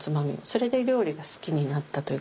それで料理が好きになったというか。